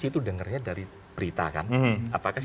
itu dengarnya dari berita kan apakah